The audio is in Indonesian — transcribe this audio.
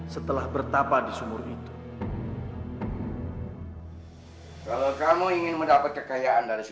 surti kamu itu kebiasaan banget sih ngutang terus